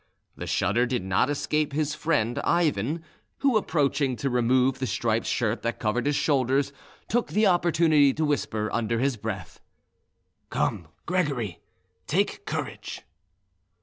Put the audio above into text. The shudder did not escape his friend Ivan, who, approaching to remove the striped shirt that covered his shoulders, took the opportunity to whisper under his breath— "Come, Gregory, take courage!"